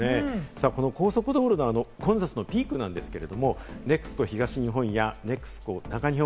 高速道路の混雑のピークですが、ＮＥＸＣＯ東日本やＮＥＸＣＯ中日本